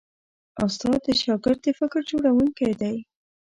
استاد د شاګرد د فکر جوړوونکی دی.